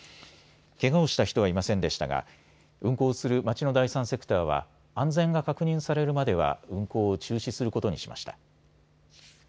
けがをした人はいませんでしたが運行する町の第三セクターは安全が確認されるまでは運行を中止することにしました。